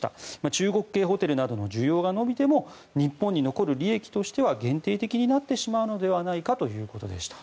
中国系ホテルなどの需要が伸びても日本に残る利益としては限定的になってしまうのではということでした。